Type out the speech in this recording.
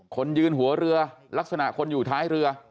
คนยืนหัวเรือลักษณะคนอยู่ท้ายเรือ